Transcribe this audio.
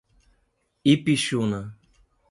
Ipixuna